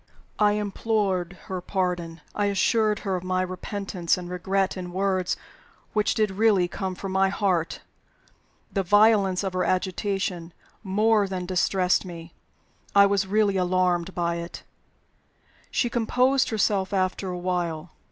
I implored her pardon; I assured her of my repentance and regret in words which did really come from my heart. The violence of her agitation more than distressed me I was really alarmed by it. She composed herself after a while.